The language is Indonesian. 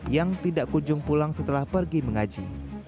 yang tidak kunjung pulang setelah pergi mengaji